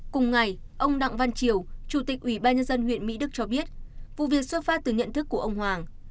cùng ngày ông đặng văn triều chủ tịch ủy ban nhân dân huyện mỹ đức cho biết vụ việc xuất phát từ nhận thức của ông hoàng